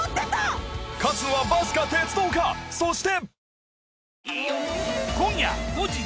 そして。